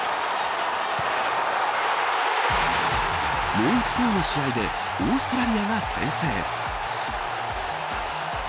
もう一方の試合でオーストラリアが先制。